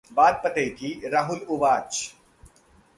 बात पते कीः राहुल उवाच